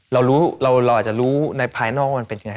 เราอาจจะรู้ในภายนอกมันเป็นยังไง